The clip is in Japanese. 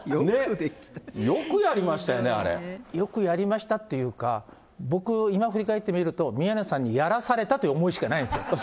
よくやりましたよね、よくやりましたっていうか、僕、今振り返ってみると、宮根さんにやらされたという思いしかないんですよ。